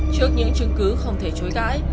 trước những chứng cứ không thể chối cãi